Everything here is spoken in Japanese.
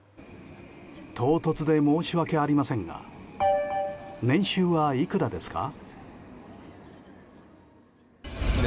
唐突で申し訳ありませんが年収はいくらですか？